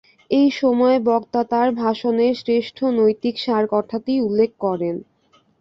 এই সময়ে বক্তা তাঁর ভাষণের শ্রেষ্ঠ নৈতিক সার কথাটি উল্লেখ করেন।